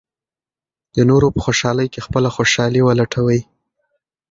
د نورو په خوشالۍ کې خپله خوشالي ولټوئ.